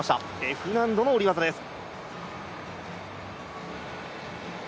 Ｆ難度の下り技です。